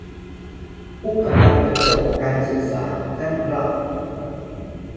"ผู้กำลังจะจบการศึกษาทุกท่านครับ "